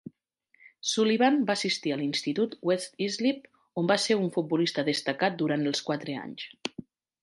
Sullivan va assistir a l'Institut West Islip, on va ser un futbolista destacat durant els quatre anys.